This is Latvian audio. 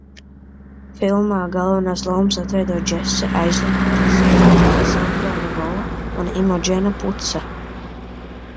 Filmā galvenās lomas atveido Džese Aizenbergs, Alesandro Nivola un Imodžena Putsa.